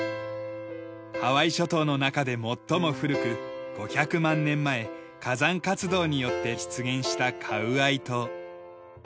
ハワイ諸島の中で最も古く５００万年前火山活動によって出現したカウアイ島。